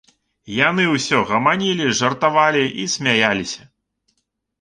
Яны ўсё гаманілі, жартавалі і смяяліся.